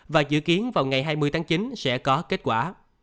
và dự kiến vào ngày hai mươi tháng chín sẽ có kết quả